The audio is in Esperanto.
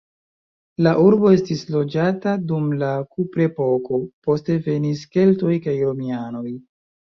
La urbo estis loĝata dum la kuprepoko, poste venis keltoj kaj romianoj.